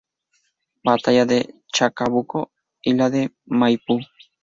Batalla de Chacabuco y la de Maipú.